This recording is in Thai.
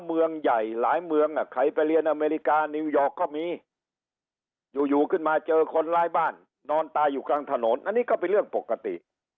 เมืองใหญ่หลายเมืองใครไปเรียนอเมริกานิวยอร์กก็มีอยู่อยู่ขึ้นมาเจอคนร้ายบ้านนอนตายอยู่กลางถนนอันนี้ก็เป็นเรื่องปกติ